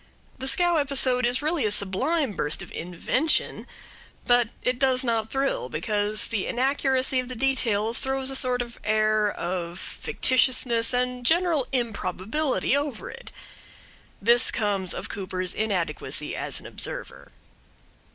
The scow episode is really a sublime burst of invention; but it does not thrill, because the inaccuracy of the details throws a sort of air of fictitiousness and general improbability over it. This comes of Cooper's inadequacy as an observer.